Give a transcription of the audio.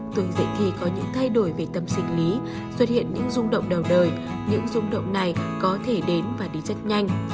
tôi dạy thì có những thay đổi về tâm sinh lý xuất hiện những rung động đầu đời những rung động này có thể đến và đi rất nhanh